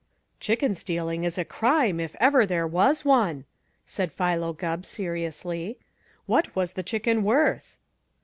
"Chicken stealing is a crime if ever there was one," said Philo Gubb seriously. "What was the chicken worth?"